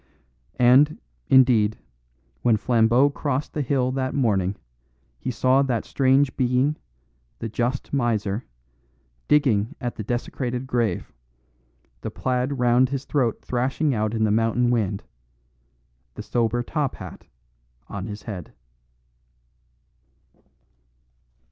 And, indeed, when Flambeau crossed the hill that morning, he saw that strange being, the just miser, digging at the desecrated grave, the plaid round his throat thrashing out in the mountain wind; the sober top hat on his head.